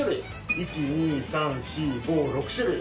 １、２、３、４、５、６種類。